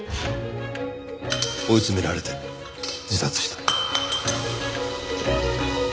追い詰められて自殺した。